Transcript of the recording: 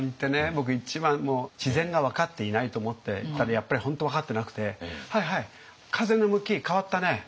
僕一番自然が分かっていないと思ってたらやっぱり本当分かってなくて「はいはい風の向き変わったね」とか言われる。